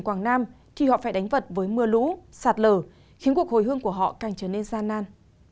quảng nam thì họ phải đánh vật với mưa lũ sạt lở khiến cuộc hồi hương của họ càng trở nên gian nan